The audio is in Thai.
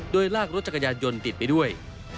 โดยลากรถจักรยานยนต์ติดไปด้วย